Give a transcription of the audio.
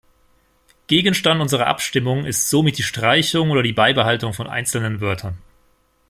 Gegenstand unserer Abstimmung ist somit die Streichung oder die Beibehaltung von einzelnen Wörtern.